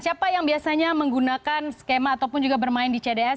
siapa yang biasanya menggunakan skema ataupun juga bermain di cds